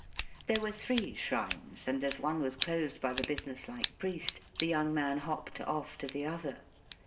There were three shrines, and as one was closed by the business like priest, the young man hopped off to the other.